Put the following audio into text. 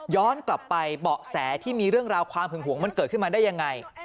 กลับไปเบาะแสที่มีเรื่องราวความหึงหวงมันเกิดขึ้นมาได้ยังไง